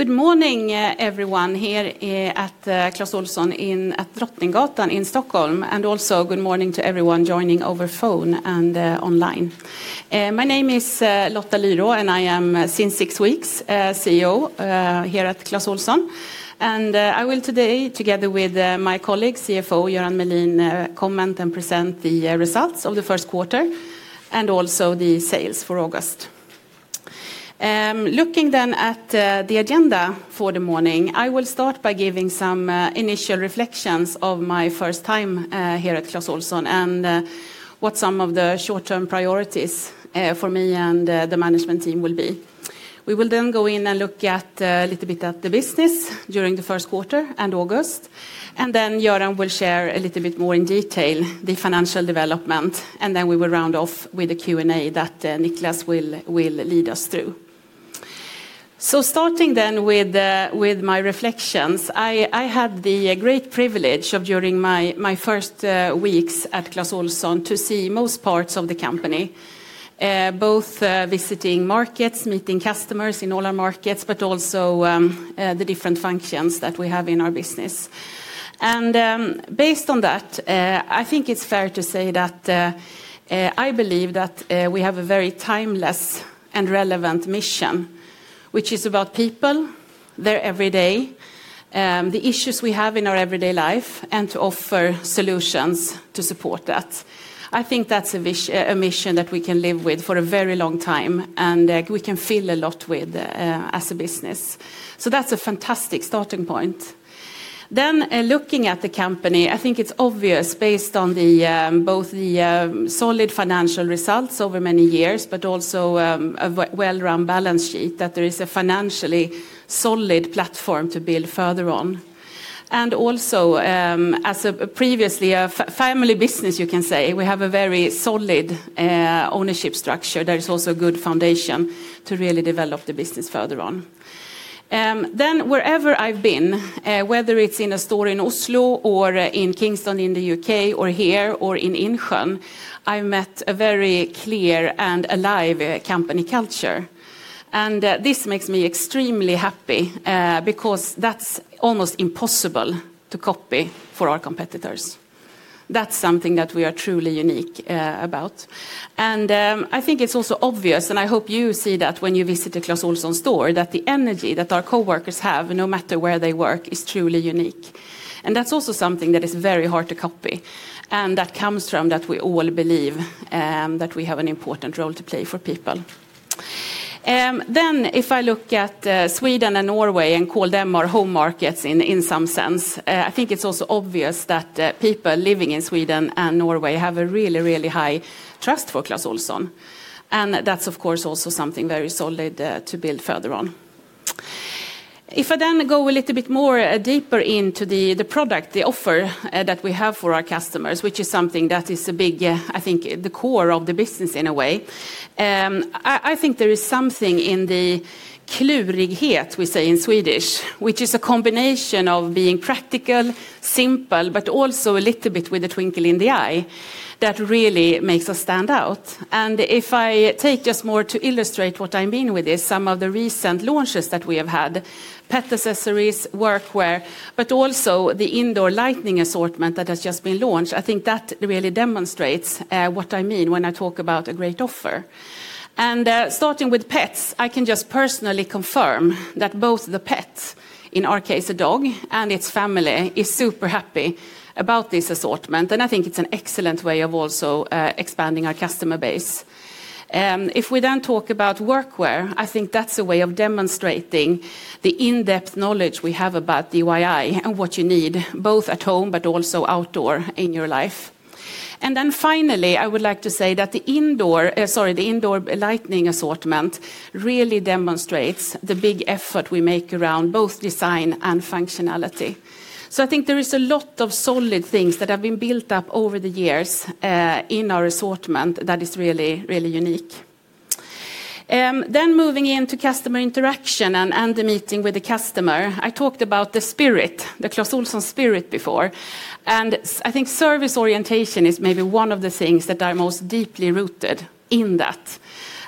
Good morning, everyone here, at Clas Ohlson in, at Drottninggatan in Stockholm, and also good morning to everyone joining over phone and online. My name is Lotta Lyrå, and I am, since six weeks, CEO here at Clas Ohlson. I will today, together with my colleague, CFO Göran Melin, comment and present the results of the first quarter and also the sales for August. Looking then at the agenda for the morning, I will start by giving some initial reflections of my first time here at Clas Ohlson and what some of the short-term priorities for me and the management team will be. We will then go in and look at a little bit at the business during the first quarter and August, and then Göran will share a little bit more in detail the financial development. We will round off with a Q&A that Nicklas will lead us through. Starting then with my reflections, I had the great privilege of during my first weeks at Clas Ohlson to see most parts of the company, both visiting markets, meeting customers in all our markets, but also the different functions that we have in our business. Based on that, I think it's fair to say that I believe that we have a very timeless and relevant mission, which is about people, their every day, the issues we have in our everyday life, and to offer solutions to support that. I think that's a mission that we can live with for a very long time, and we can fill a lot with as a business. That's a fantastic starting point. Looking at the company, I think it's obvious based on the both the solid financial results over many years but also a well-run balance sheet, that there is a financially solid platform to build further on. Also, as a previously a family business, you can say, we have a very solid ownership structure. There is also a good foundation to really develop the business further on. Wherever I've been, whether it's in a store in Oslo or in Kingston in the U.K. or here or in Insjön, I met a very clear and alive company culture, and this makes me extremely happy because that's almost impossible to copy for our competitors. That's something that we are truly unique about. I think it's also obvious, and I hope you see that when you visit a Clas Ohlson store, that the energy that our coworkers have, no matter where they work, is truly unique. That's also something that is very hard to copy, and that comes from that we all believe that we have an important role to play for people. If I look at Sweden and Norway and call them our home markets in some sense, I think it's also obvious that people living in Sweden and Norway have a really, really high trust for Clas Ohlson, and that's of course also something very solid to build further on. If I then go a little bit more deeper into the product, the offer that we have for our customers, which is something that is a big, I think the core of the business in a way, I think there is something in the klurighet, we say in Swedish, which is a combination of being practical, simple, but also a little bit with a twinkle in the eye that really makes us stand out. If I take just more to illustrate what I mean with this, some of the recent launches that we have had, pet accessories, workwear, but also the indoor lighting assortment that has just been launched, I think that really demonstrates what I mean when I talk about a great offer. Starting with pets, I can just personally confirm that both the pet, in our case a dog, and its family is super happy about this assortment, and I think it's an excellent way of also expanding our customer base. If we then talk about workwear, I think that's a way of demonstrating the in-depth knowledge we have about DIY and what you need both at home but also outdoor in your life. Finally, I would like to say that the indoor... Sorry, the indoor lighting assortment really demonstrates the big effort we make around both design and functionality. I think there is a lot of solid things that have been built up over the years in our assortment that is really, really unique. Moving into customer interaction and the meeting with the customer, I talked about the spirit, the Clas Ohlson spirit before, I think service orientation is maybe one of the things that are most deeply rooted in that.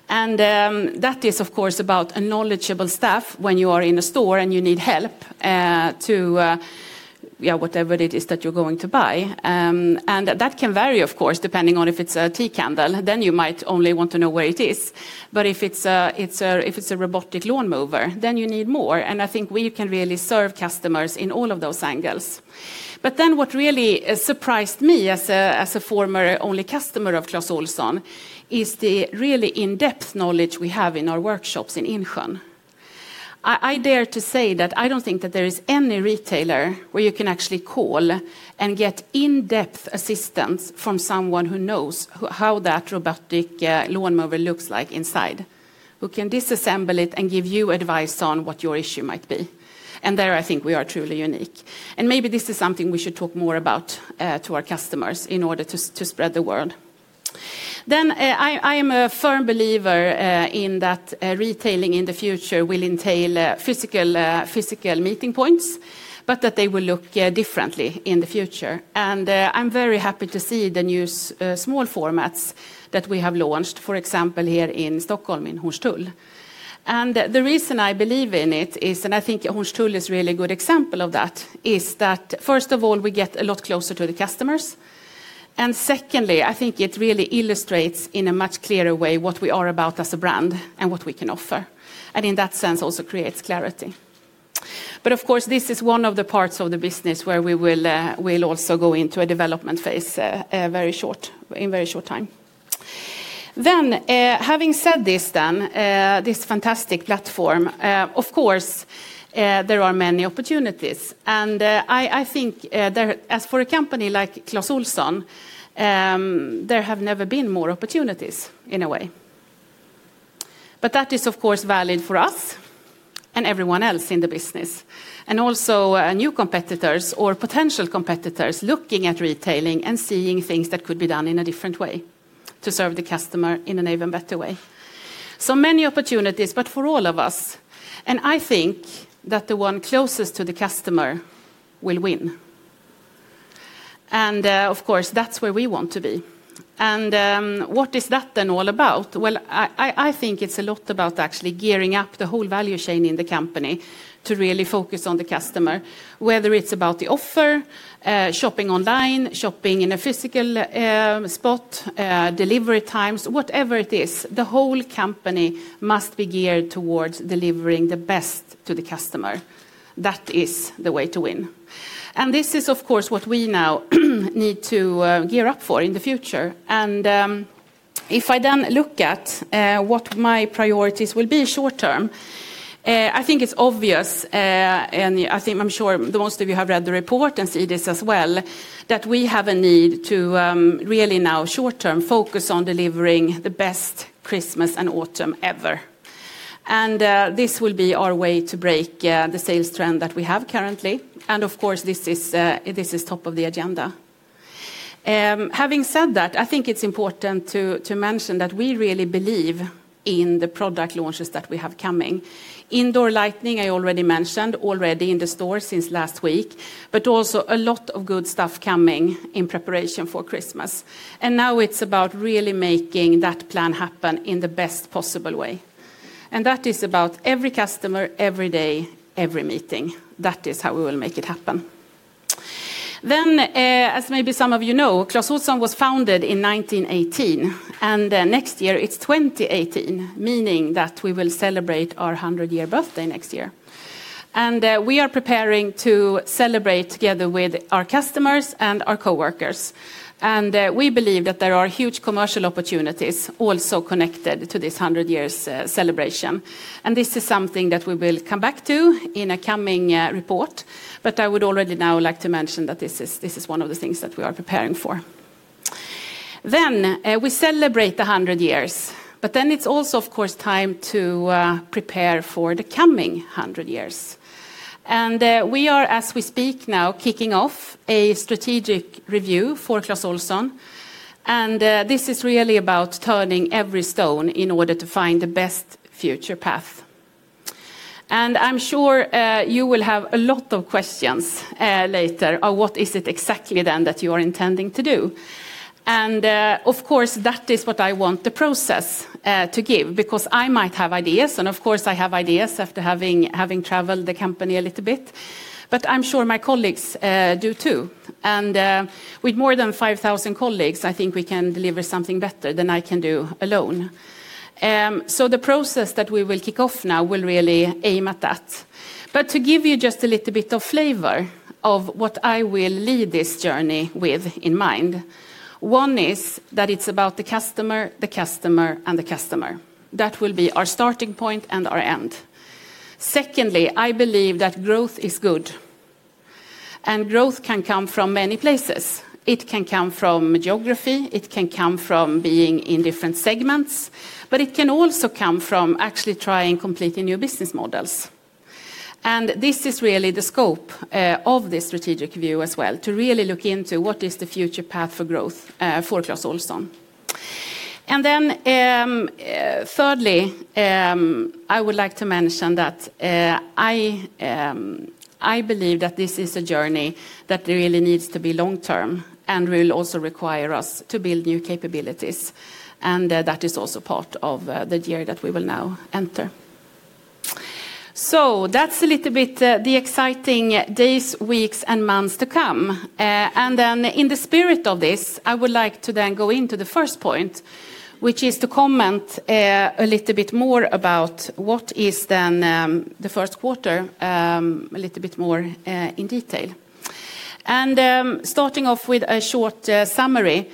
That is of course about a knowledgeable staff when you are in a store and you need help to, yeah, whatever it is that you're going to buy. That can vary of course, depending on if it's a tea candle, then you might only want to know where it is. If it's a robotic lawn mower, then you need more, and I think we can really serve customers in all of those angles. What really surprised me as a former only customer of Clas Ohlson is the really in-depth knowledge we have in our workshops in Insjön. I dare to say that I don't think that there is any retailer where you can actually call and get in-depth assistance from someone who knows how that robotic lawnmower looks like inside, who can disassemble it and give you advice on what your issue might be, and there I think we are truly unique. Maybe this is something we should talk more about to our customers in order to spread the word. I am a firm believer in that retailing in the future will entail physical meeting points, but that they will look differently in the future. I'm very happy to see the new small formats that we have launched, for example, here in Stockholm in Hornstull. The reason I believe in it is, and I think Hornstull is a really good example of that, is that first of all, we get a lot closer to the customers. Secondly, I think it really illustrates in a much clearer way what we are about as a brand and what we can offer, and in that sense also creates clarity. Of course, this is one of the parts of the business where we'll also go into a development phase, in very short time. Having said this then, this fantastic platform, of course, there are many opportunities. I think, as for a company like Clas Ohlson, there have never been more opportunities in a way. That is, of course, valid for us and everyone else in the business, and also, new competitors or potential competitors looking at retailing and seeing things that could be done in a different way to serve the customer in an even better way. Many opportunities, but for all of us, and I think that the one closest to the customer will win. Of course, that's where we want to be. What is that then all about? Well, I think it's a lot about actually gearing up the whole value chain in the company to really focus on the customer, whether it's about the offer, shopping online, shopping in a physical spot, delivery times, whatever it is. The whole company must be geared towards delivering the best to the customer. That is the way to win. This is, of course, what we now need to gear up for in the future. If I then look at what my priorities will be short-term, I think it's obvious, and I'm sure the most of you have read the report and see this as well, that we have a need to really now short-term focus on delivering the best Christmas and autumn ever. This will be our way to break the sales trend that we have currently. Of course, this is top of the agenda. Having said that, I think it's important to mention that we really believe in the product launches that we have coming. Indoor lighting, I already mentioned, already in the store since last week, but also a lot of good stuff coming in preparation for Christmas. Now it's about really making that plan happen in the best possible way. That is about every customer, every day, every meeting. That is how we will make it happen. As maybe some of you know, Clas Ohlson was founded in 1918, next year it's 2018, meaning that we will celebrate our 100-year birthday next year. We are preparing to celebrate together with our customers and our coworkers. We believe that there are huge commercial opportunities also connected to this 100 years celebration. This is something that we will come back to in a coming report. I would already now like to mention that this is one of the things that we are preparing for. We celebrate 100 years, but then it's also, of course, time to prepare for the coming 100 years. We are, as we speak now, kicking off a strategic review for Clas Ohlson, this is really about turning every stone in order to find the best future path. I'm sure you will have a lot of questions later on what is it exactly then that you are intending to do. Of course, that is what I want the process to give because I might have ideas, and of course I have ideas after having traveled the company a little bit, but I'm sure my colleagues do too. With more than 5,000 colleagues, I think we can deliver something better than I can do alone. The process that we will kick off now will really aim at that. To give you just a little bit of flavor of what I will lead this journey with in mind, one is that it's about the customer, the customer, and the customer. That will be our starting point and our end. Secondly, I believe that growth is good, and growth can come from many places. It can come from geography, it can come from being in different segments, but it can also come from actually trying completely new business models. This is really the scope of this strategic view as well, to really look into what is the future path for growth for Clas Ohlson. Then, thirdly, I would like to mention that I believe that this is a journey that really needs to be long-term and will also require us to build new capabilities, and that is also part of the year that we will now enter. That's a little bit the exciting days, weeks, and months to come. In the spirit of this, I would like to then go into the first point, which is to comment a little bit more about what is then the first quarter a little bit more in detail. Starting off with a short summary.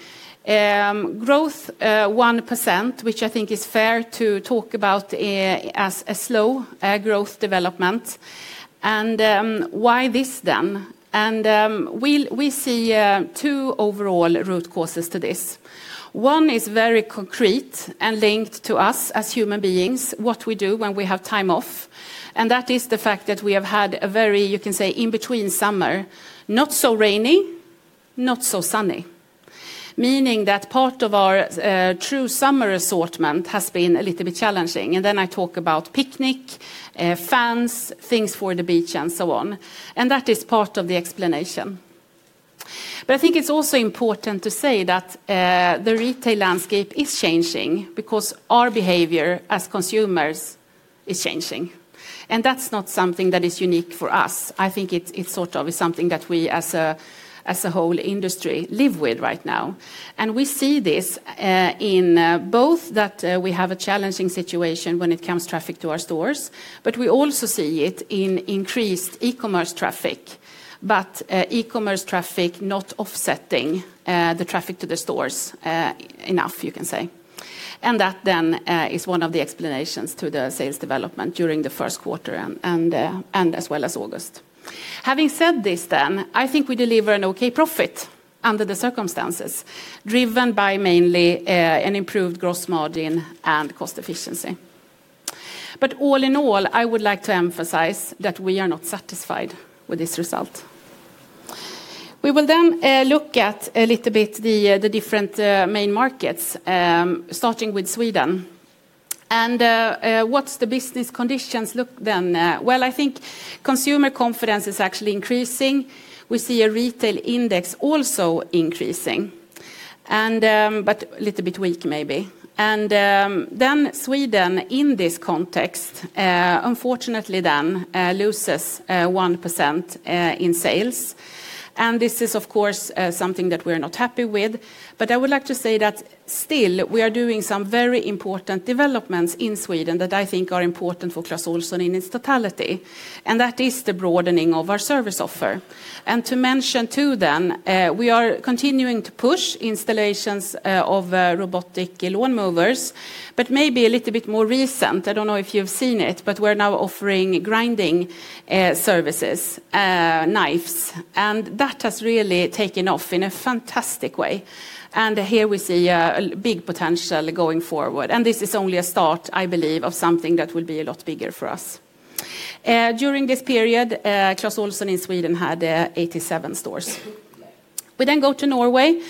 Growth 1%, which I think is fair to talk about as a slow growth development. Why this then? We see two overall root causes to this. One is very concrete and linked to us as human beings, what we do when we have time off, and that is the fact that we have had a very, you can say, in between summer, not so rainy, not so sunny. Meaning that part of our true summer assortment has been a little bit challenging. Then I talk about picnic fans, things for the beach, and so on, and that is part of the explanation. I think it's also important to say that the retail landscape is changing because our behavior as consumers is changing, and that's not something that is unique for us. I think it's sort of something that we as a, as a whole industry live with right now. We see this in both that we have a challenging situation when it comes traffic to our stores, but we also see it in increased e-commerce traffic, but e-commerce traffic not offsetting the traffic to the stores enough you can say. That then, is one of the explanations to the sales development during the first quarter and as well as August. Having said this, I think we deliver an okay profit under the circumstances driven by mainly an improved gross margin and cost efficiency. All in all, I would like to emphasize that we are not satisfied with this result. We will look at a little bit the different main markets, starting with Sweden and what's the business conditions look then? I think consumer confidence is actually increasing. We see a retail index also increasing and a little bit weak maybe. Sweden in this context, unfortunately then, loses 1% in sales. This is of course, something that we're not happy with, but I would like to say that still we are doing some very important developments in Sweden that I think are important for Clas Ohlson in its totality, and that is the broadening of our service offer. To mention too then, we are continuing to push installations, of robotic lawn movers, but maybe a little bit more recent. I don't know if you've seen it, but we're now offering grinding, services, knives, and that has really taken off in a fantastic way. Here we see a big potential going forward, and this is only a start, I believe, of something that will be a lot bigger for us. During this period, Clas Ohlson in Sweden had, 87 stores. We then go to Norway,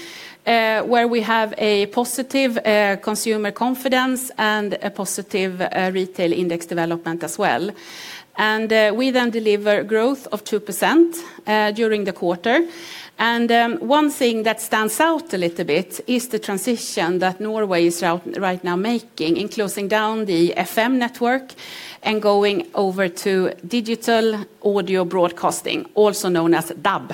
where we have a positive consumer confidence and a positive retail index development as well. We then deliver growth of 2% during the quarter. One thing that stands out a little bit is the transition that Norway is right now making in closing down the FM network and going over to Digital Audio Broadcasting, also known as DAB.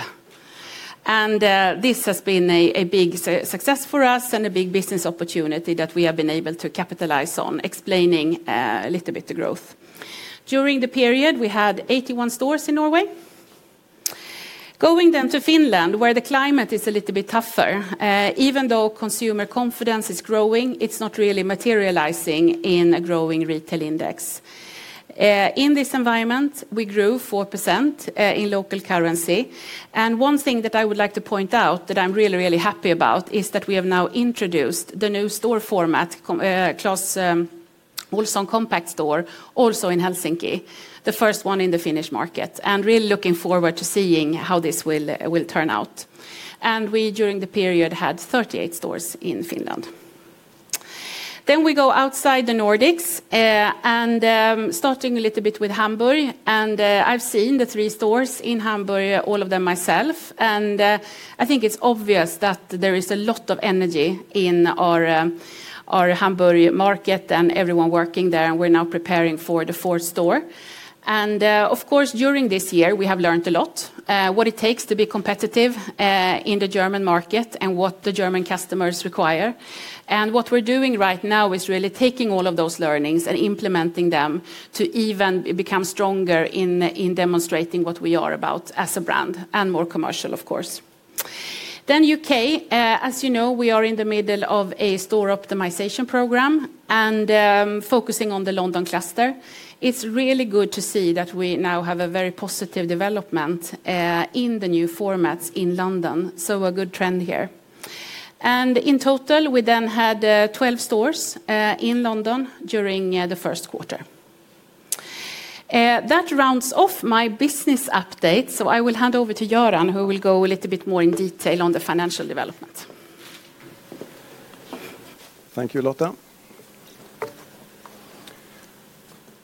This has been a big success for us and a big business opportunity that we have been able to capitalize on explaining a little bit the growth. During the period, we had 81 stores in Norway. Going then to Finland, where the climate is a little bit tougher, even though consumer confidence is growing, it's not really materializing in a growing retail index. In this environment, we grew 4% in local currency. One thing that I would like to point out that I'm really, really happy about is that we have now introduced the new store format Clas Ohlson Compact Store also in Helsinki, the first one in the Finnish market, and really looking forward to seeing how this will turn out. We, during the period, had 38 stores in Finland. We go outside the Nordics, starting a little bit with Hamburg. I've seen the three stores in Hamburg, all of them myself. I think it's obvious that there is a lot of energy in our Hamburg market and everyone working there, and we're now preparing for the fourth store. Of course, during this year we have learned a lot what it takes to be competitive in the German market and what the German customers require. What we're doing right now is really taking all of those learnings and implementing them to even become stronger in demonstrating what we are about as a brand and more commercial of course. U.K., as you know, we are in the middle of a store optimization program and focusing on the London cluster. It's really good to see that we now have a very positive development in the new formats in London, so a good trend here. In total, we then had 12 stores in London during the first quarter. That rounds off my business update, so I will hand over to Göran, who will go a little bit more in detail on the financial development. Thank you, Lotta.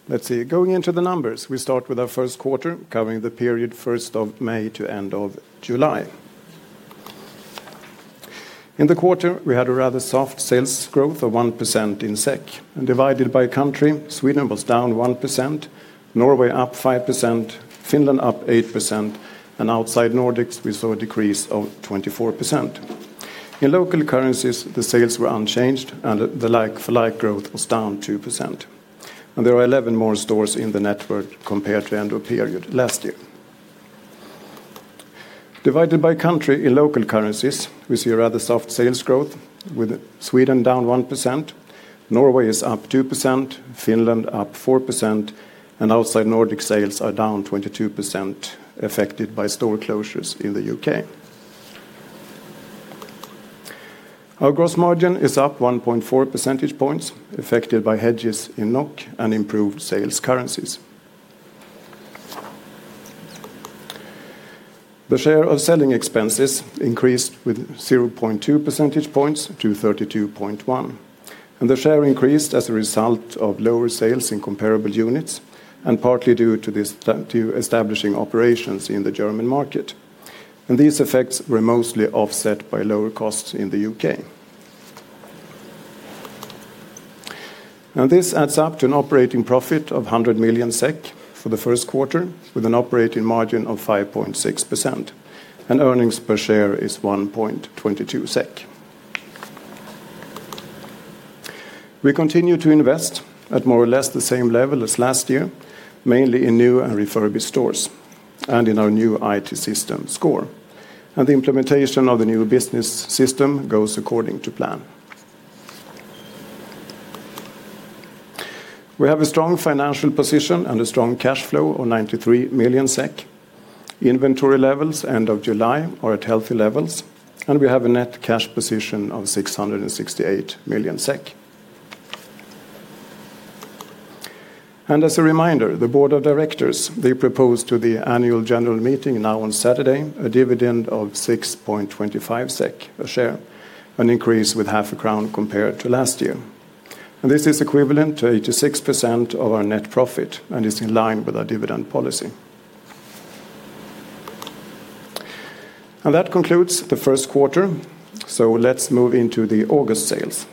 Let's see. Going into the numbers, we start with our first quarter covering the period first of May to end of July. In the quarter, we had a rather soft sales growth of 1% in SEK. Divided by country, Sweden was down 1%, Norway up 5%, Finland up 8%, and outside Nordics we saw a decrease of 24%. In local currencies, the sales were unchanged and the like-for-like growth was down 2%. There are 11 more stores in the network compared to end of period last year. Divided by country in local currencies, we see a rather soft sales growth with Sweden down 1%, Norway is up 2%, Finland up 4%, and outside Nordic sales are down 22% affected by store closures in the U.K. Our gross margin is up 1.4 percentage points affected by hedges in NOK and improved sales currencies. The share of selling expenses increased with 0.2 percentage points to 32.1%. The share increased as a result of lower sales in comparable units and partly due to this to establishing operations in the German market. These effects were mostly offset by lower costs in the U.K. This adds up to an operating profit of 100 million SEK for the first quarter, with an operating margin of 5.6%, and earnings per share is 1.22 SEK. We continue to invest at more or less the same level as last year, mainly in new and refurbished stores and in our new IT System Score. The implementation of the new business system goes according to plan. We have a strong financial position and a strong cash flow of 93 million SEK. Inventory levels end of July are at healthy levels, we have a net cash position of 668 million SEK. As a reminder, the board of directors, they proposed to the annual general meeting now on Saturday, a dividend of 6.25 SEK a share, an increase with half a crown compared to last year. This is equivalent to 86% of our net profit and is in line with our dividend policy. That concludes the first quarter, let's move into the August sales.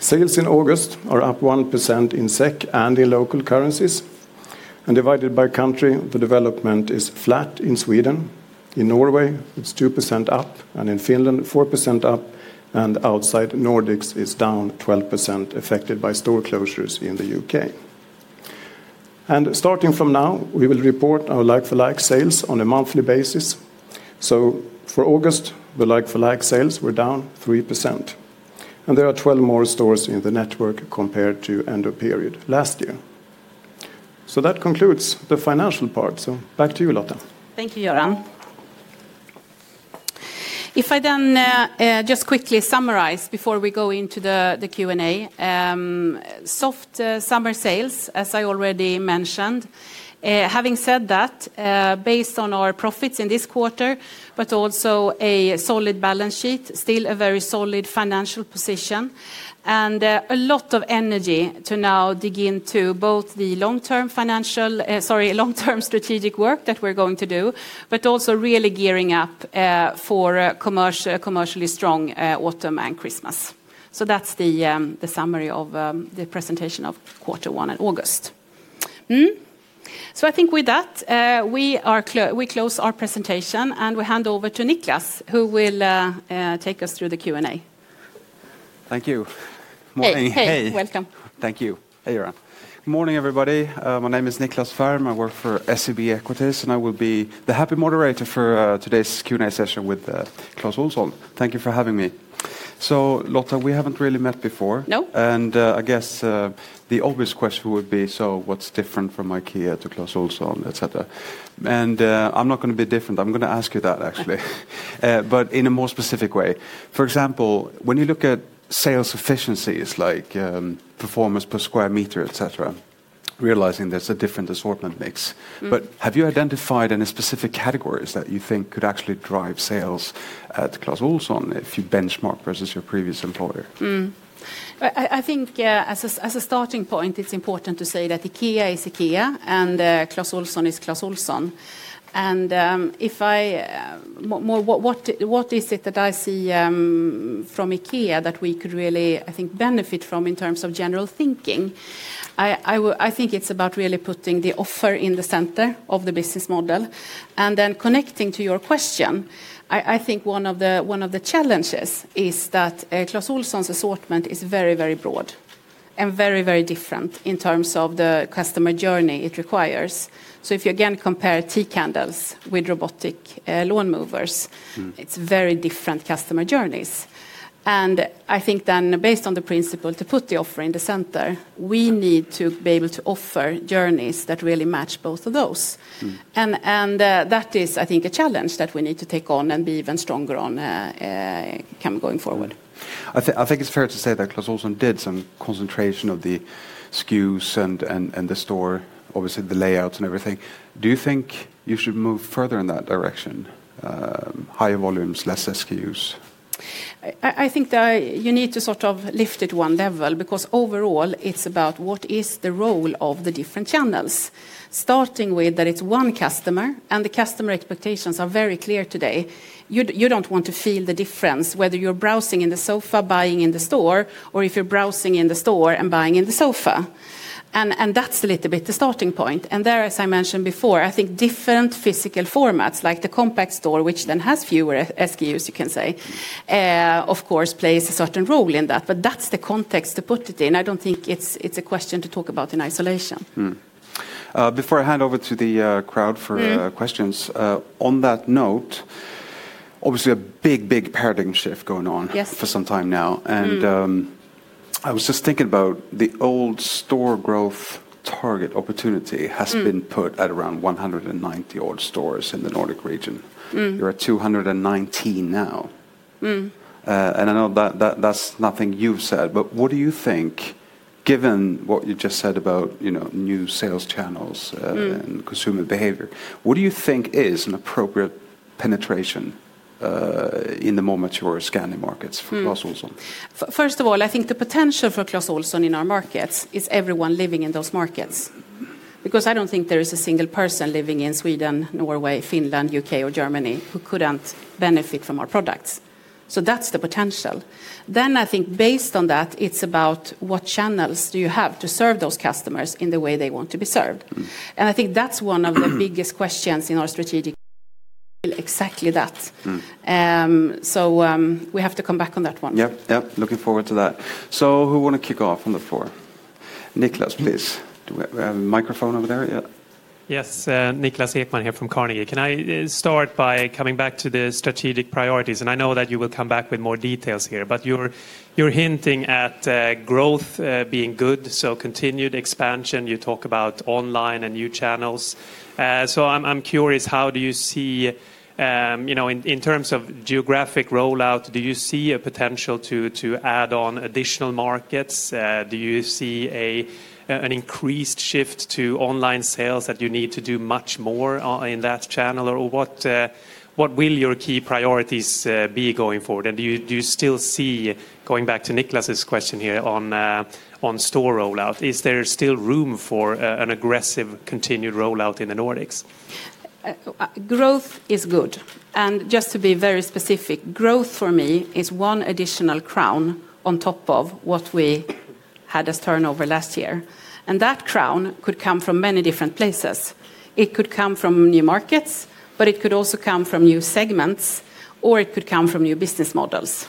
Sales in August are up 1% in SEK and in local currencies. Divided by country, the development is flat in Sweden. In Norway, it's 2% up, and in Finland, 4% up, and outside Nordics, it's down 12%, affected by store closures in the U.K. Starting from now, we will report our like-for-like sales on a monthly basis. For August, the like-for-like sales were down 3%, and there are 12 more stores in the network compared to end of period last year. That concludes the financial part, so back to you, Lotta. Thank you, Göran. I just quickly summarize before we go into the Q&A, soft summer sales, as I already mentioned. Having said that, based on our profits in this quarter, but also a solid balance sheet, still a very solid financial position, and a lot of energy to now dig into both the long-term strategic work that we're going to do, but also really gearing up for commercially strong autumn and Christmas. That's the summary of the presentation of quarter one in August. I think with that, we close our presentation, and we hand over to Nicklas, who will take us through the Q&A. Thank you. Morning. Hey. Hey. Welcome. Thank you. Hey, Göran. Morning, everybody. My name is Nicklas Fhärm. I work for SEB Equities, and I will be the happy moderator for today's Q&A session with Clas Ohlson. Thank you for having me. Lotta, we haven't really met before. No. I guess the obvious question would be what's different from IKEA to Clas Ohlson, et cetera? I'm not gonna be different. I'm gonna ask you that actually, but in a more specific way. For example, when you look at sales efficiencies, like performance per square meter, et cetera, realizing there's a different assortment mix. Mm. Have you identified any specific categories that you think could actually drive sales at Clas Ohlson if you benchmark versus your previous employer? I think as a starting point, it's important to say that IKEA is IKEA, and Clas Ohlson is Clas Ohlson. More what is it that I see from IKEA that we could really, I think, benefit from in terms of general thinking, I think it's about really putting the offer in the center of the business model. Connecting to your question, I think one of the challenges is that Clas Ohlson's assortment is very broad and very different in terms of the customer journey it requires. If you again, compare tea candles with robotic, lawn movers... Mm... it's very different customer journeys. I think then based on the principle to put the offer in the center, we need to be able to offer journeys that really match both of those. Mm. That is, I think, a challenge that we need to take on and be even stronger on, come going forward. I think it's fair to say that Clas Ohlson did some concentration of the SKUs and the store, obviously the layouts and everything. Do you think you should move further in that direction, higher volumes, less SKUs? I think that you need to sort of lift it one level because overall it's about what is the role of the different channels, starting with that it's one customer. The customer expectations are very clear today. You don't want to feel the difference whether you're browsing in the sofa, buying in the store, or if you're browsing in the store and buying in the sofa. That's a little bit the starting point. There, as I mentioned before, I think different physical formats, like the Compact Store, which then has fewer SKUs, you can say, of course plays a certain role in that. That's the context to put it in. I don't think it's a question to talk about in isolation. Before I hand over to the crowd. Mm questions, on that note, obviously a big, big paradigm shift going on. Yes... for some time now. Mm. I was just thinking about the old store growth target opportunity... Mm... has been put at around 190 odd stores in the Nordic region. Mm. You're at 219 now. Mm. I know that's nothing you've said, but what do you think, given what you just said about, you know, new sales channels? Mm. consumer behavior, what do you think is an appropriate penetration, in the more mature scanning markets for-? Mm. Clas Ohlson? First of all, I think the potential for Clas Ohlson in our markets is everyone living in those markets, because I don't think there is a single person living in Sweden, Norway, Finland, U.K. or Germany who couldn't benefit from our products. That's the potential. I think based on that, it's about what channels do you have to serve those customers in the way they want to be served. Mm. I think that's one of the biggest questions in our strategic, exactly that. Mm. We have to come back on that one. Yep, looking forward to that. Who want to kick off on the floor? Niklas, please. Do we have a microphone over there? Yeah. Yes. Niklas Ekman here from Carnegie. Can I start by coming back to the strategic priorities? I know that you will come back with more details here, but you're hinting at growth being good, so continued expansion. You talk about online and new channels. I'm curious, how do you see, you know, in terms of geographic rollout, do you see a potential to add on additional markets? Do you see an increased shift to online sales that you need to do much more in that channel? What, what will your key priorities be going forward? Do you, do you still see, going back to Nicklas' question here on store rollout, is there still room for an aggressive continued rollout in the Nordics? Growth is good. Just to be very specific, growth for me is one additional crown on top of what we had as turnover last year. That crown could come from many different places. It could come from new markets, but it could also come from new segments, or it could come from new business models.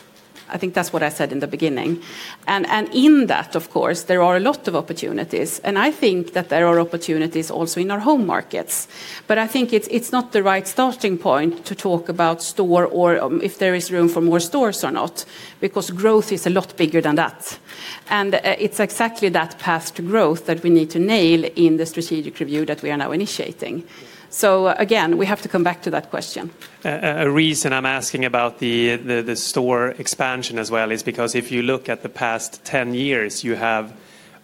I think that's what I said in the beginning. In that, of course, there are a lot of opportunities, I think that there are opportunities also in our home markets, but I think it's not the right starting point to talk about store or if there is room for more stores or not, because growth is a lot bigger than that. It's exactly that path to growth that we need to nail in the strategic review that we are now initiating. Again, we have to come back to that question. A reason I'm asking about the store expansion as well is because if you look at the past 10 years, you have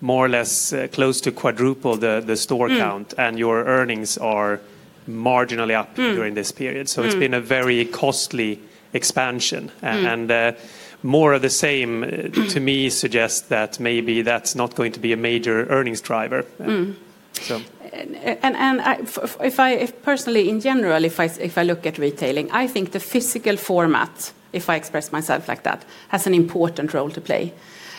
more or less close to quadruple the store count. Mm. Your earnings are marginally up. Mm. during this period. Mm. It's been a very costly expansion. Mm. More of the same to me suggests that maybe that's not going to be a major earnings driver. Mm. So... If I personally, in general, if I look at retailing, I think the physical format, if I express myself like that, has an important role to play,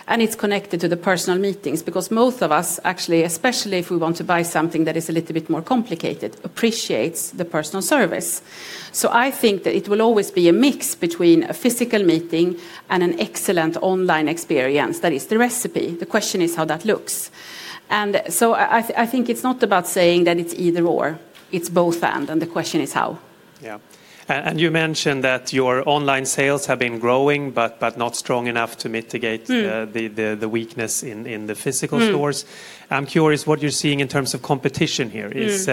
and it's connected to the personal meetings because most of us actually, especially if we want to buy something that is a little bit more complicated, appreciates the personal service. I think that it will always be a mix between a physical meeting and an excellent online experience. That is the recipe. The question is how that looks. I think it's not about saying that it's either/or, it's both/and the question is how. Yeah. You mentioned that your online sales have been growing but not strong enough to mitigate- Mm. The weakness in the physical stores. Mm. I'm curious what you're seeing in terms of competition here. Mm. Is,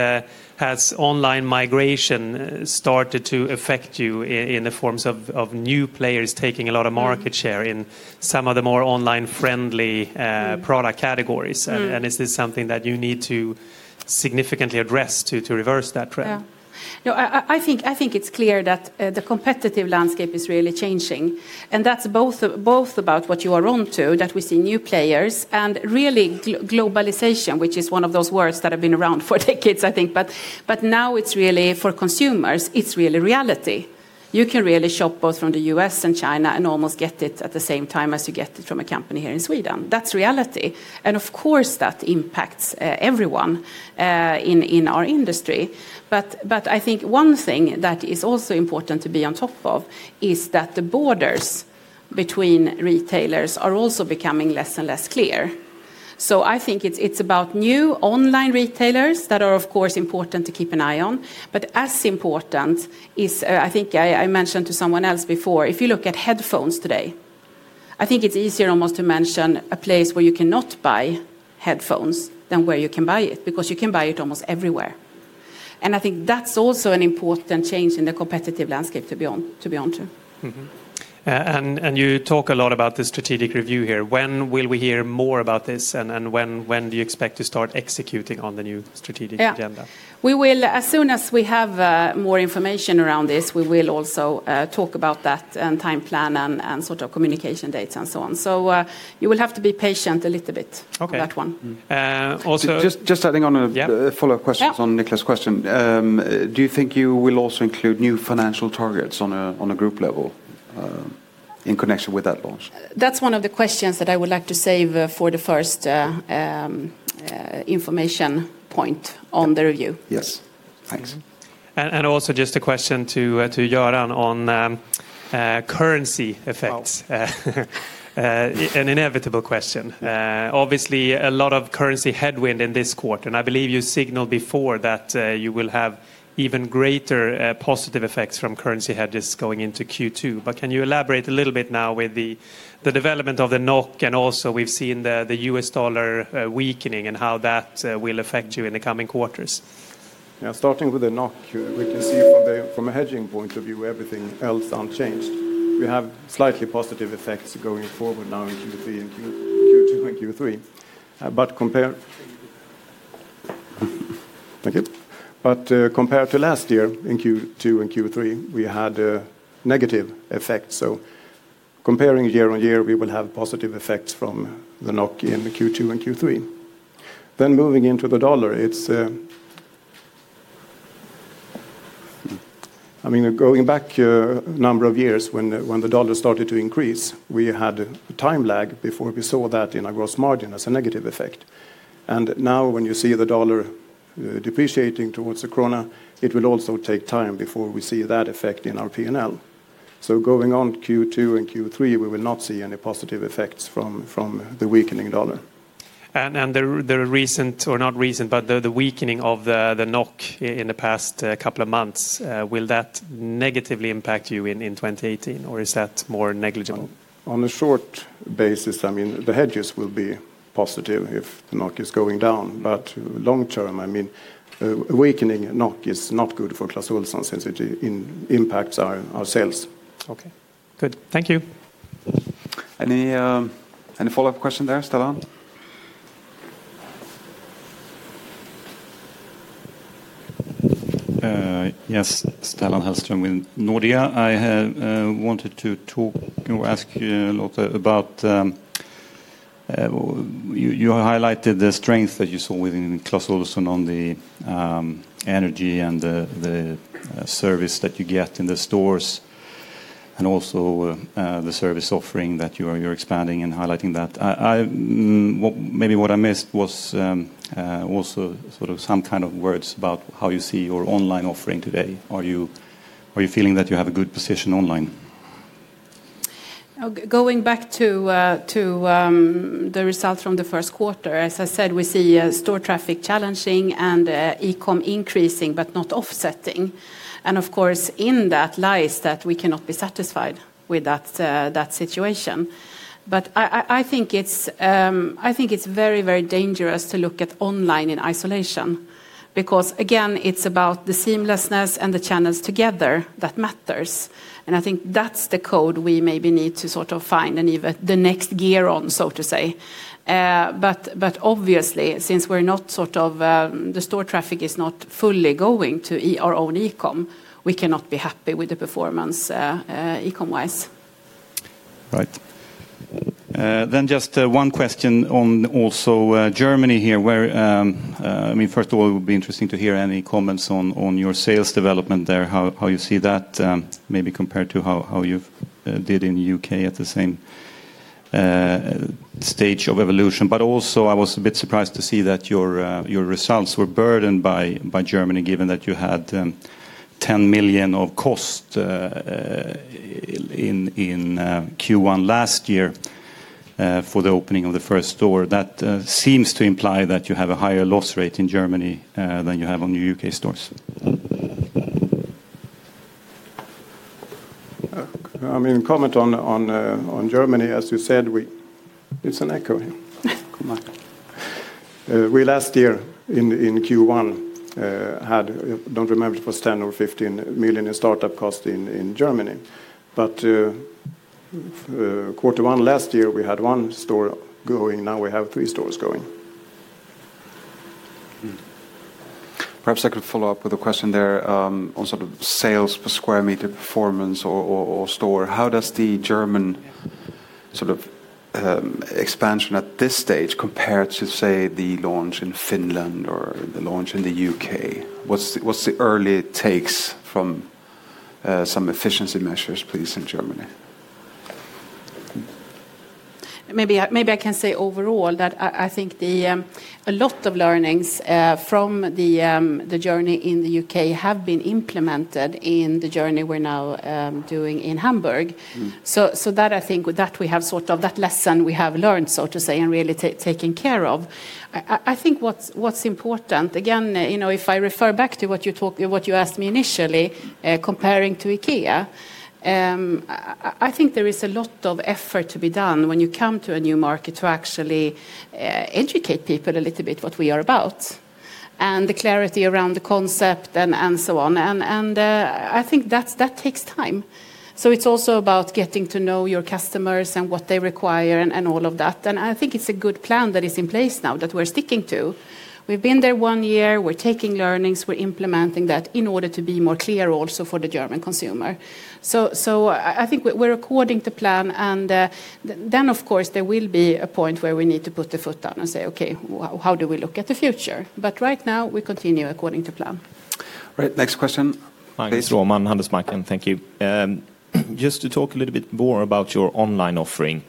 has online migration started to affect you in the forms of new players taking a lot of market share? Mm. in some of the more online friendly product categories? Mm. Is this something that you need to significantly address to reverse that trend? Yeah. No, I think it's clear that the competitive landscape is really changing, and that's both about what you are onto, that we see new players, and really globalization, which is one of those words that have been around for decades, I think. Now it's really, for consumers, it's really reality. You can really shop both from the U.S. and China and almost get it at the same time as you get it from a company here in Sweden. That's reality, and of course, that impacts everyone in our industry. I think one thing that is also important to be on top of is that the borders between retailers are also becoming less and less clear. I think it's about new online retailers that are of course important to keep an eye on, but as important is, I think I mentioned to someone else before, if you look at headphones today, I think it's easier almost to mention a place where you cannot buy headphones than where you can buy it, because you can buy it almost everywhere. I think that's also an important change in the competitive landscape to be onto. Mm-hmm. You talk a lot about the strategic review here. When will we hear more about this, and when do you expect to start executing on the new strategic agenda? Yeah. We will, as soon as we have, more information around this, we will also, talk about that, time plan and sort of communication dates and so on. You will have to be patient a little bit. Okay. on that one. Mm. Uh, also- Just adding on. Yeah. Follow-up question. Yeah. On Niklas' question. Do you think you will also include new financial targets on a group level in connection with that launch? That's one of the questions that I would like to save, for the first, information point on the review. Yes. Thanks. Also just a question to Göran on currency effects. Oh. An inevitable question. Obviously a lot of currency headwind in this quarter, and I believe you signaled before that, you will have even greater, positive effects from currency hedges going into Q2. Can you elaborate a little bit now with the development of the NOK, and also we've seen the U.S. dollar, weakening and how that, will affect you in the coming quarters? Yeah, starting with the NOK, we can see from a hedging point of view, everything else unchanged. We have slightly positive effects going forward now in Q2 and Q3. Compared to last year in Q2 and Q3, we had a negative effect. Comparing year on year, we will have positive effects from the NOK in the Q2 and Q3. Moving into the dollar, it's... I mean, going back a number of years when the dollar started to increase, we had a time lag before we saw that in our gross margin as a negative effect. Now when you see the dollar depreciating towards the krona, it will also take time before we see that effect in our P&L. Going on Q2 and Q3, we will not see any positive effects from the weakening U.S. dollar. The reason, or not reason, but the weakening of the NOK in the past couple of months, will that negatively impact you in 2018, or is that more negligible? On a short basis, I mean, the hedges will be positive if the NOK is going down. Long term, I mean, a weakening NOK is not good for Clas Ohlson since it impacts our sales. Okay. Good. Thank you. Any, any follow-up question there, Stellan? Yes. Stellan Hellström with Nordea. I wanted to talk or ask you, Lotta, about, you highlighted the strength that you saw within Clas Ohlson on the energy and the service that you get in the stores and also, the service offering that you're expanding and highlighting that. Maybe what I missed was also sort of some kind of words about how you see your online offering today. Are you feeling that you have a good position online? Going back to the results from the first quarter, as I said, we see store traffic challenging and e-com increasing but not offsetting. Of course, in that lies that we cannot be satisfied with that situation. I think it's very, very dangerous to look at online in isolation because, again, it's about the seamlessness and the channels together that matters. I think that's the code we maybe need to sort of find and even the next gear on, so to say. But obviously, since we're not sort of, the store traffic is not fully going to our own e-com, we cannot be happy with the performance e-com wise. Right. Just one question on also Germany here, where, I mean, first of all, it would be interesting to hear any comments on your sales development there, how you did in U.K. at the same stage of evolution. Also, I was a bit surprised to see that your results were burdened by Germany, given that you had 10 million of cost in Q1 last year for the opening of the first store. That seems to imply that you have a higher loss rate in Germany than you have on your U.K. stores. I mean, comment on Germany, as you said. There's an echo here. Come on. We last year in Q1 had, don't remember if it was 10 million or 15 million in startup cost in Germany. Q1 last year, we had one store going. Now we have three stores going. Perhaps I could follow up with a question there, on sort of sales per square meter performance or store. How does the German sort of expansion at this stage compare to, say, the launch in Finland or the launch in the U.K.? What's the early takes from some efficiency measures, please, in Germany? Maybe I can say overall that I think a lot of learnings from the journey in the U.K. have been implemented in the journey we're now doing in Hamburg. Mm-hmm. That I think with that we have sort of that lesson we have learned, so to say, and really taking care of. I think what's important, again, you know, if I refer back to what you talk, what you asked me initially, comparing to IKEA, I think there is a lot of effort to be done when you come to a new market to actually educate people a little bit what we are about and the clarity around the concept and so on. I think that takes time. It's also about getting to know your customers and what they require and all of that. I think it's a good plan that is in place now that we're sticking to. We've been there one year. We're taking learnings. We're implementing that in order to be more clear also for the German consumer. I think we're according to plan and then of course, there will be a point where we need to put the foot down and say, "Okay, how do we look at the future?" Right now, we continue according to plan. All right. Next question. Please. Hi. Magnus Råman. Thank you. Just to talk a little bit more about your online offering,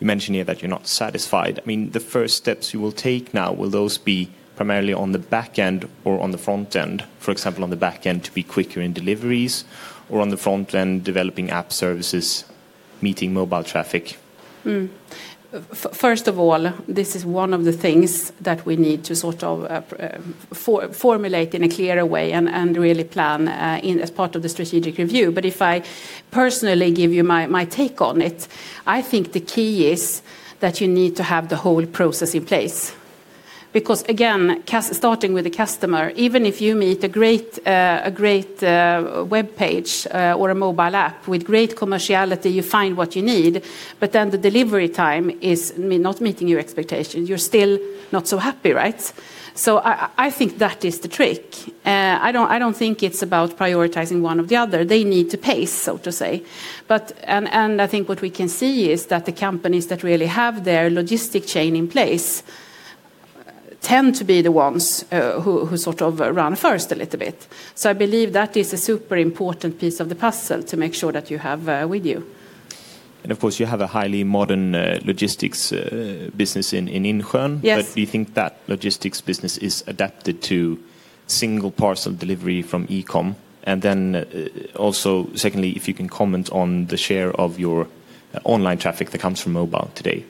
you mentioned here that you're not satisfied. I mean, the first steps you will take now, will those be primarily on the back end or on the front end? For example, on the back end to be quicker in deliveries or on the frontend developing app services, meeting mobile traffic? First of all, this is one of the things that we need to sort of, formulate in a clearer way and really plan in as part of the strategic review. If I personally give you my take on it, I think the key is that you need to have the whole process in place. Because again, starting with the customer, even if you meet a great webpage or a mobile app with great commerciality, you find what you need, but then the delivery time is not meeting your expectations, you're still not so happy, right? I think that is the trick. I don't, I don't think it's about prioritizing one or the other. They need to pace, so to say. I think what we can see is that the companies that really have their logistic chain in place tend to be the ones who sort of run first a little bit. I believe that is a super important piece of the puzzle to make sure that you have with you. Of course, you have a highly modern, logistics, business in Insjön. Yes. Do you think that logistics business is adapted to single parcel delivery from e-com? Also secondly, if you can comment on the share of your online traffic that comes from mobile today?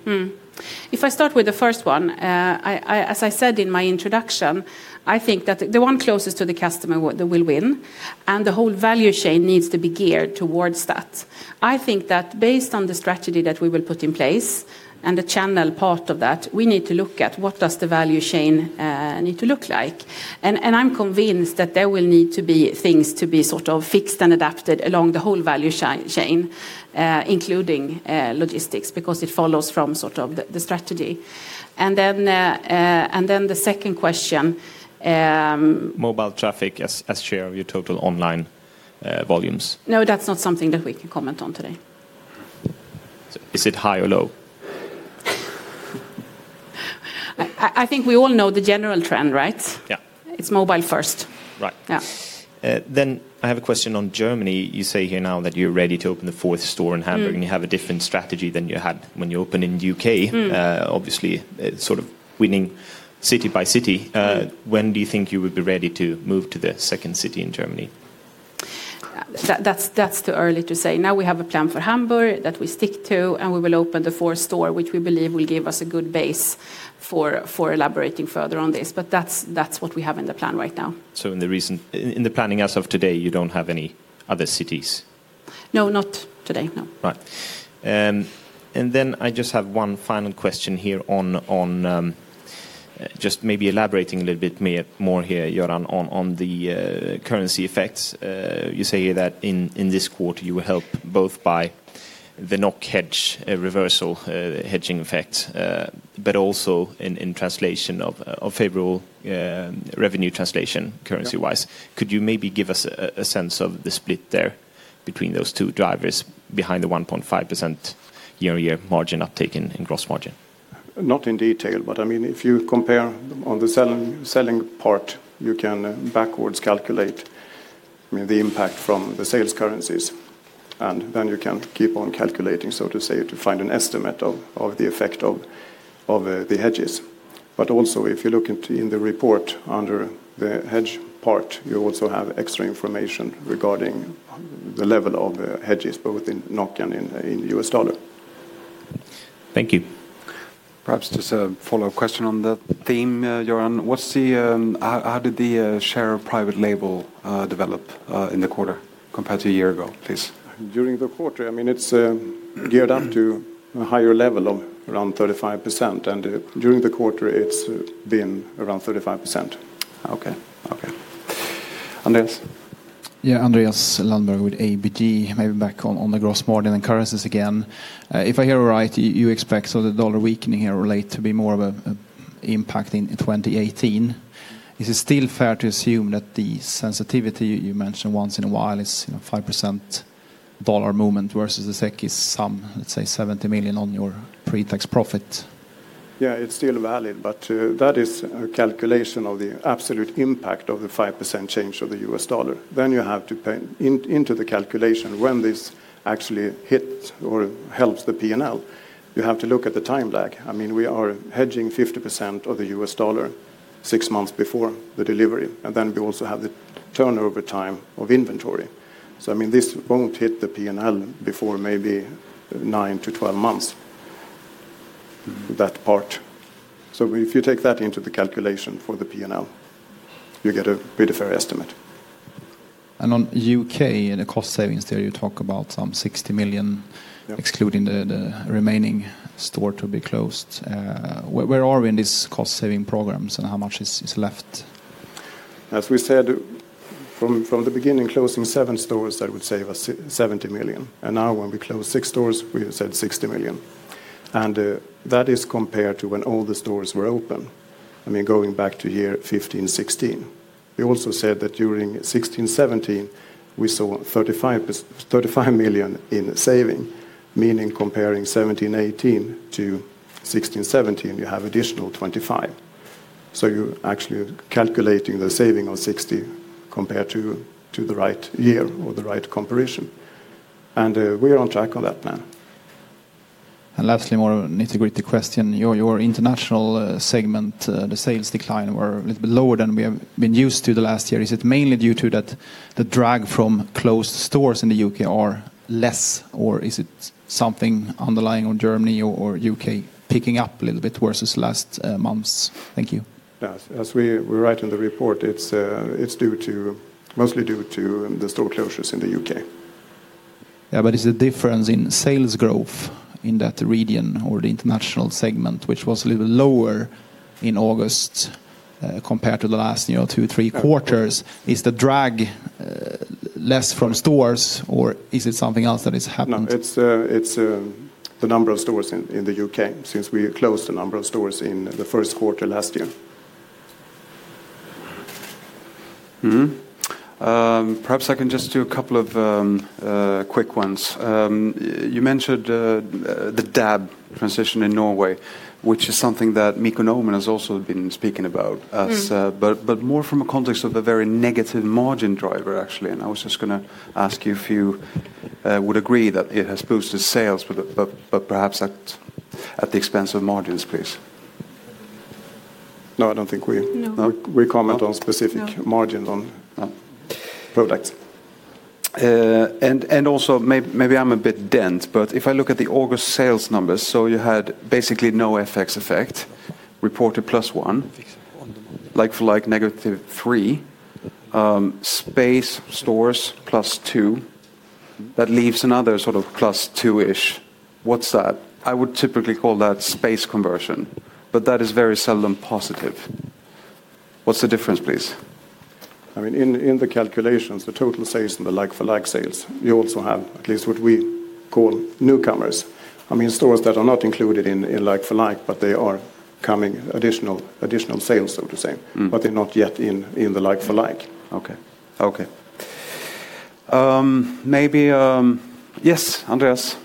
If I start with the first one, I, as I said in my introduction, I think that the one closest to the customer will win, and the whole value chain needs to be geared towards that. I think that based on the strategy that we will put in place and the channel part of that, we need to look at what does the value chain need to look like. I'm convinced that there will need to be things to be sort of fixed and adapted along the whole value chain, including logistics, because it follows from sort of the strategy. Then the second question. Mobile traffic as share of your total online volumes. No, that's not something that we can comment on today. Is it high or low? I think we all know the general trend, right? Yeah. It's mobile first. Right. Yeah. I have a question on Germany. You say here now that you're ready to open the fourth store in Hamburg? Mm. You have a different strategy than you had when you opened in the U.K. Mm. Obviously, sort of winning city by city. Mm. When do you think you would be ready to move to the second city in Germany? That's too early to say. Now we have a plan for Hamburg that we stick to, and we will open the fourth store, which we believe will give us a good base for elaborating further on this. That's what we have in the plan right now. In the planning as of today, you don't have any other cities? No, not today, no. I just have one final question here on, just maybe elaborating a little bit more here, Göran, on the currency effects. You say that in this quarter, you were helped both by the NOK hedge, reversal, hedging effect, but also in translation of favorable, revenue translation currency-wise. Yeah. Could you maybe give us a sense of the split there between those two drivers behind the 1.5% year-over-year margin uptake in gross margin? Not in detail, I mean, if you compare on the selling part, you can backwards calculate, I mean, the impact from the sales currencies, and then you can keep on calculating, so to say, to find an estimate of the effect of the hedges. Also, if you look into, in the report under the hedge part, you also have extra information regarding the level of hedges, both in NOK and in U.S. dollar. Thank you. Perhaps just a follow-up question on that theme, Göran. How did the share of private label develop in the quarter compared to a year ago, please? During the quarter, I mean, it's, geared up to a higher level of around 35%. During the quarter, it's, been around 35%. Okay. Okay. Andreas? Yeah, Andreas Lundberg with ABG. Maybe back on the gross margin and currencies again. If I hear right, you expect the dollar weakening here relate to be more of a impact in 2018. Is it still fair to assume that the sensitivity you mentioned once in a while is, you know, 5% dollar movement versus the SEK is some, let's say, 70 million on your pre-tax profit? Yeah, it's still valid, but, that is a calculation of the absolute impact of the 5% change of the U.S. dollar. You have to pay in, into the calculation when this actually hits or helps the P&L. You have to look at the time lag. I mean, we are hedging 50% of the U.S. dollar six months before the delivery, we also have the turnover time of inventory. I mean, this won't hit the P&L before maybe 9-12 months, that part. If you take that into the calculation for the P&L, you get a pretty fair estimate. On U.K. and the cost savings there, you talk about some 60 million. Yeah... excluding the remaining store to be closed. Where are we in these cost-saving programs, and how much is left? As we said from the beginning, closing seven stores, that would save us 70 million. Now when we close six stores, we have said 60 million. That is compared to when all the stores were open, I mean, going back to year 2015, 2016. We also said that during 2016-2017, we saw 35 million in saving, meaning comparing 2017/2018-2016/2017, you have additional 25 million. You're actually calculating the saving of 60 million compared to the right year or the right comparison. We are on track on that plan. Lastly, more nitty-gritty question. Your international segment, the sales decline were a little bit lower than we have been used to the last year. Is it mainly due to that the drag from closed stores in the U.K. are less, or is it something underlying on Germany or U.K. picking up a little bit versus last months? Thank you. Yes. As we write in the report, it's due to, mostly due to the store closures in the U.K. Is the difference in sales growth in that region or the international segment, which was a little lower in August, compared to the last, you know, two, three quarters, is the drag less from stores or is it something else that has happened? No. It's the number of stores in the U.K. since we closed a number of stores in the first quarter last year. Perhaps I can just do a couple of quick ones. You mentioned the DAB transition in Norway, which is something that Mikael Norman has also been speaking about. Mm.... but more from a context of a very negative margin driver actually. I was just gonna ask you if you would agree that it has boosted sales but perhaps at the expense of margins, please. No, I don't think. No. We comment on. No... margin on products. Maybe I'm a bit dense, but if I look at the August sales numbers, you had basically no FX effect, reported +1%, like-for-like -3%, space stores +2%. That leaves another sort of +2%-ish. What's that? I would typically call that space conversion, but that is very seldom positive. What's the difference, please? I mean, in the calculations, the total sales and the like-for-like sales, you also have at least what we call newcomers. I mean, stores that are not included in like-for-like, but they are coming additional sales, so to say. Mm. They're not yet in the like-for-like. Okay. Okay. Maybe, yes, Andreas.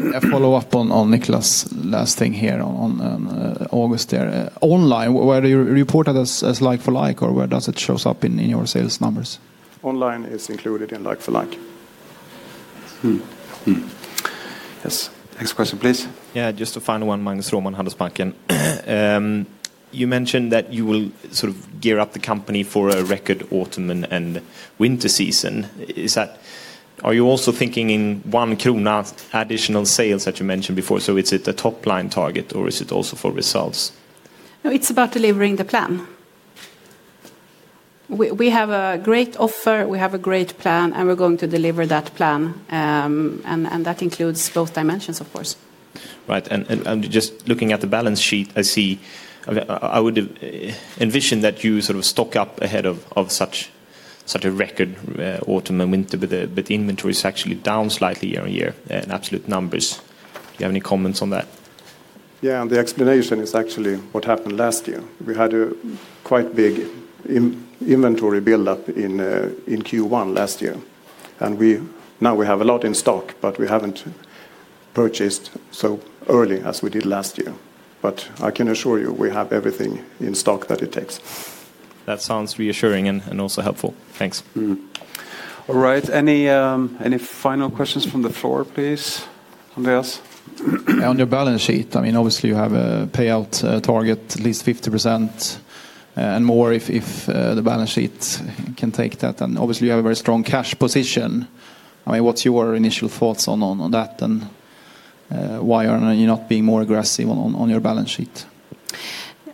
A follow-up on Nicklas' last thing here on August there. Online, where you reported as like for like or where does it shows up in any of your sales numbers? Online is included in like-for-like. Yes. Next question, please. Yeah, just a final one. Magnus Råman, Handelsbanken. You mentioned that you will sort of gear up the company for a record autumn and winter season. Are you also thinking in one SEK additional sales that you mentioned before? Is it a top-line target or is it also for results? No, it's about delivering the plan. We have a great offer, we have a great plan. We're going to deliver that plan. That includes both dimensions, of course. Right. Just looking at the balance sheet, I would have envisioned that you sort of stock up ahead of such a record autumn and winter, but inventory is actually down slightly year-on-year in absolute numbers. Do you have any comments on that? Yeah. The explanation is actually what happened last year. We had a quite big inventory build up in Q1 last year. Now we have a lot in stock, but we haven't purchased so early as we did last year. I can assure you, we have everything in stock that it takes. That sounds reassuring and also helpful. Thanks. Mm-hmm. All right. Any, any final questions from the floor, please? Andreas. On your balance sheet, I mean, obviously you have a payout, target at least 50%, and more if, the balance sheet can take that. Obviously you have a very strong cash position. I mean, what's your initial thoughts on, on that, and, why are you not being more aggressive on, on your balance sheet?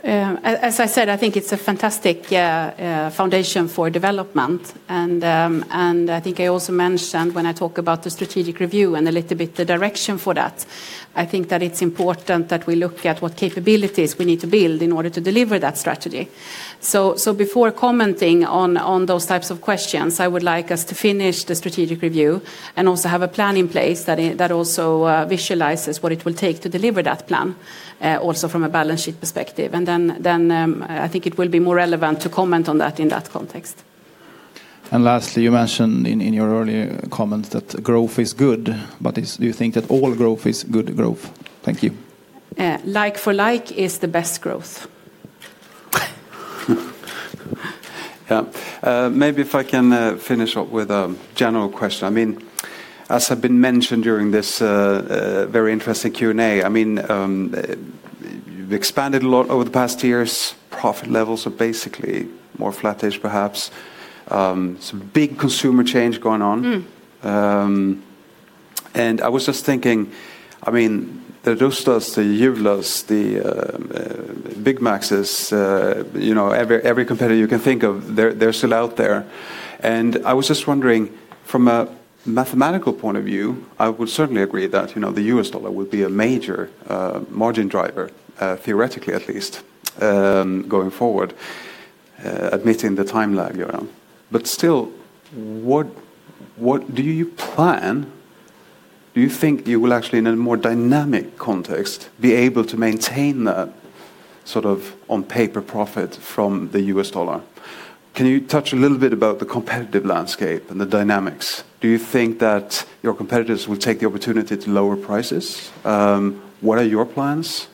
As I said, I think it's a fantastic foundation for development. I think I also mentioned when I talk about the strategic review and a little bit the direction for that, I think that it's important that we look at what capabilities we need to build in order to deliver that strategy. Before commenting on those types of questions, I would like us to finish the strategic review and also have a plan in place that also visualizes what it will take to deliver that plan, also from a balance sheet perspective. Then, I think it will be more relevant to comment on that in that context. Lastly, you mentioned in your earlier comments that growth is good, do you think that all growth is good growth? Thank you. Like-for-like is the best growth. Yeah. maybe if I can finish up with a general question. I mean, as have been mentioned during this very interesting Q&A, I mean, you've expanded a lot over the past years. Profit levels are basically more flattish, perhaps. some big consumer change going on. Mm. I was just thinking, the Rusta, the Jula, the Byggmax, every competitor you can think of, they're still out there. I was just wondering, from a mathematical point of view, I would certainly agree that the U.S. dollar would be a major margin driver, theoretically at least, going forward, admitting the time lag you're on. Still, what do you think you will actually in a more dynamic context be able to maintain that sort of on-paper profit from the U.S. dollar? Can you touch a little bit about the competitive landscape and the dynamics? Do you think that your competitors will take the opportunity to lower prices? What are your plans?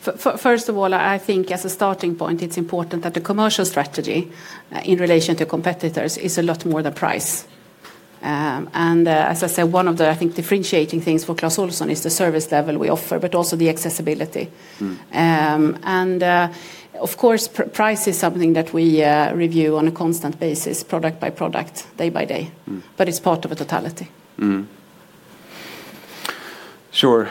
First of all, I think as a starting point it's important that the commercial strategy, in relation to competitors is a lot more than price. As I said, one of the, I think, differentiating things for Clas Ohlson is the service level we offer, but also the accessibility. Mm. Of course price is something that we review on a constant basis, product by product, day-by-day. Mm. It's part of a totality. Sure.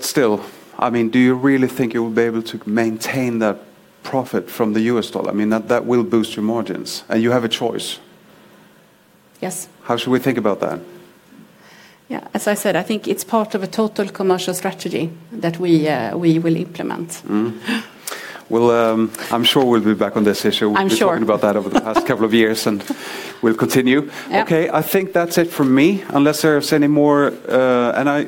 Still, I mean, do you really think you will be able to maintain that profit from the U.S. dollar? I mean, that will boost your margins, and you have a choice. Yes. How should we think about that? Yeah, as I said, I think it's part of a total commercial strategy that we will implement. I'm sure we'll be back on this issue. I'm sure. We've been talking about that over the past couple of years, and we'll continue. Yep. Okay. I think that's it from me, unless there's any more.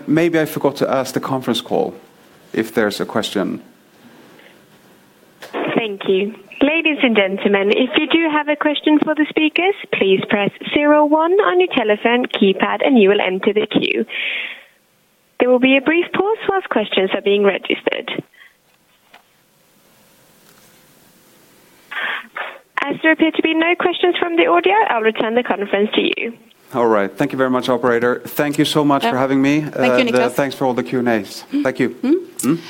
Maybe I forgot to ask the conference call if there's a question? Thank you. Ladies and gentlemen, if you do have a question for the speakers, please press zero one on your telephone keypad and you will enter the queue. There will be a brief pause while questions are being registered. As there appear to be no questions from the audio, I'll return the conference to you. All right. Thank you very much, operator. Thank you so much for having me. Yeah. Thank you, Nicklas. Thanks for all the Q&As. Mm-hmm. Thank you. Mm-hmm.